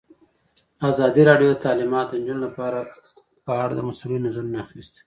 ازادي راډیو د تعلیمات د نجونو لپاره په اړه د مسؤلینو نظرونه اخیستي.